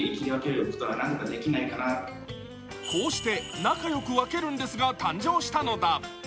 こうして仲良く分けるんですが誕生したのだ。